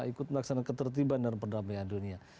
ikut melaksanakan ketertiban dan perdamaian dunia